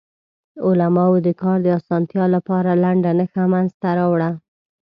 علماوو د کار د اسانتیا لپاره لنډه نښه منځ ته راوړه.